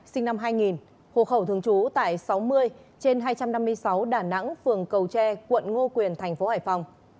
sinh năm hai nghìn hộ khẩu thường trú tại sáu mươi trên hai trăm năm mươi sáu đà nẵng phường cầu tre quận ngô quyền thành phố hải phòng